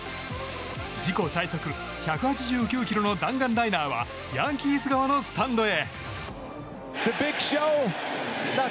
自己最速１８９キロの弾丸ライナーはヤンキース側のスタンドへ。